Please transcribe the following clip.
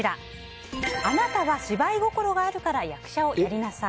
あなたは芝居心があるから役者をやりなさい。